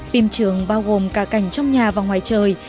phim trường bao gồm cả cảnh trong nhà và ngoài trời